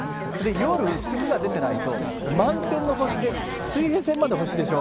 夜、月が出てないと、満天の星で水平線まで星でしょ。